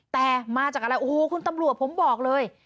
แต่มาจากอะไรโอ้โหคุณตำรวจผมบอกเลย